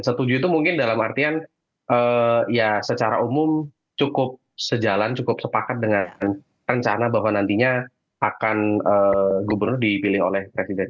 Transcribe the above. setuju itu mungkin dalam artian ya secara umum cukup sejalan cukup sepakat dengan rencana bahwa nantinya akan gubernur dipilih oleh presiden